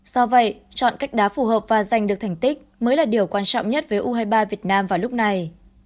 do vậy chọn cách đá phù hợp và giành được thành tích mới là điều quan trọng nhất với u hai mươi ba việt nam vào lúc này